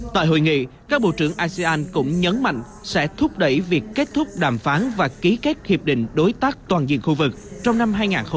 tại hội nghị các bộ trưởng asean cũng nhấn mạnh sẽ thúc đẩy việc kết thúc đàm phán và ký kết hiệp định đối tác toàn diện khu vực trong năm hai nghìn hai mươi